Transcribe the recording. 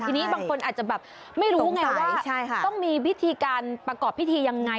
ทีนี้บางคนอาจจะแบบไม่รู้ไงว่าต้องมีวิธีการประกอบพิธียังไง